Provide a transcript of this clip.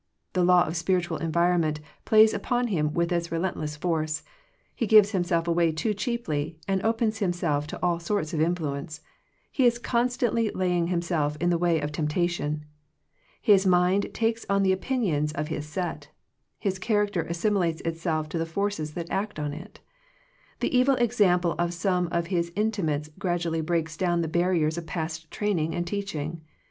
The law of spiritual en vironment plays upon him with its re lentless force. He gives himself away too cheaply, and opens himself to all sorts of influence. He is constantly lay ing himself in the way of temptation. His mind takes on the opinions of his set: his character assimilates itself to the forces that act on it. The evil example of some of his intimates gradually breaks down the barriers of past training and teaching.